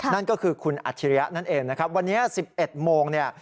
นั่นก็คือคุณอัจฉริยะนั่นเองนะครับวันนี้๑๑โมงเนี่ย